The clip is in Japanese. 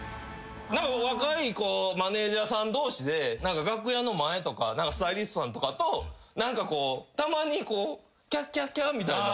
若い子マネージャーさん同士で楽屋の前とかスタイリストさんとかとたまにキャッキャッキャみたいな。